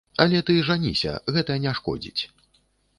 Але ты жаніся, гэта не шкодзіць.